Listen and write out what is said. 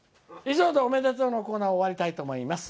おめでとうのコーナー終わりたいと思います。